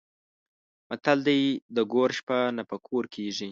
متل دی: د ګور شپه نه په کور کېږي.